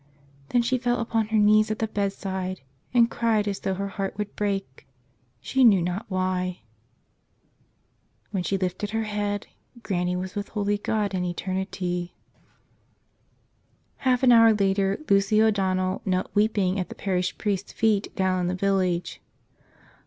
Then she fell upon her knees at the bedside and cried as though her heart would break — she knew not why. When she lifted her head Granny was with holy God in eternity. 103 *T*77 Us A nother!" Half an hour later Lucy O'Donnell knelt weeping at the parish priest's feet, down in the village.